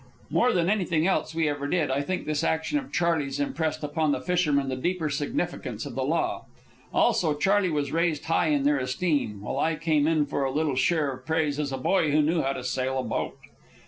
More than anything else we ever did, I think, this action of Charley's impressed upon the fishermen the deeper significance of the law. Also Charley was raised high in their esteem, while I came in for a little share of praise as a boy who knew how to sail a boat.